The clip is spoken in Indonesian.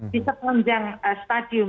di sekelanjang stadium